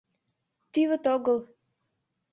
Тӱвыт огыл.